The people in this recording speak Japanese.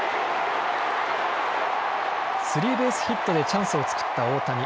スリーベースヒットでチャンスを作った大谷。